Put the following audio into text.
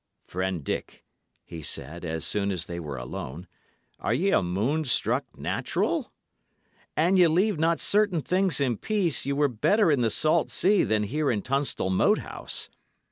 "Friend Dick," he said, as soon as they were alone, "are ye a moon struck natural? An ye leave not certain things in peace, ye were better in the salt sea than here in Tunstall Moat House.